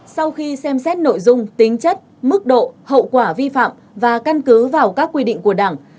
sau khi xem xét nội dung tính chất mức độ hậu quả vi phạm và căn cứ vào các quy định của đảng